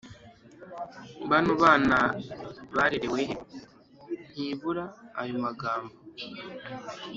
«bano bana barerewe he » ntibura ; ayo magambo